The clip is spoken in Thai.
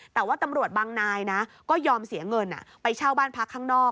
แต่ว่าตำรวจบางนายนะก็ยอมเสียเงินไปเช่าบ้านพักข้างนอก